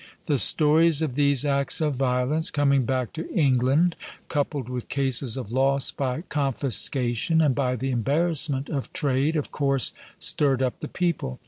The stories of these acts of violence coming back to England, coupled with cases of loss by confiscation and by the embarrassment of trade, of course stirred up the people.